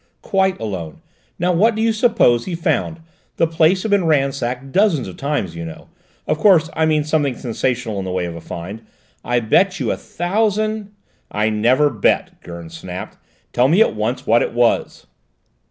"Quite alone. Now what do you suppose he found; the place has been ransacked dozens of times, you know; of course I mean something sensational in the way of a find. I bet you a thousand " "I never bet," Gurn snapped. "Tell me at once what it was."